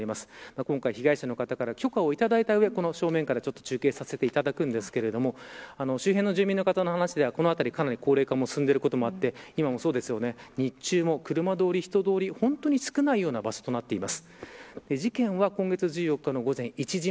今回、被害者の方から許可をいただいた上正面から中継させていただくんですけれども周囲、じゅうぶん、周辺の住民の方の話だと、この辺りでかなり高齢化が進んでいることもあって今、日中も車通りや人通りが少ない場所となっています。